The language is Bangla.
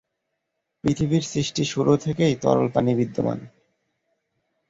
পৃথিবীর সৃষ্টির শুরু থেকেই তরল পানি বিদ্যমান।